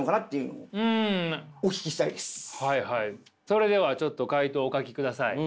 それではちょっと回答をお書きください。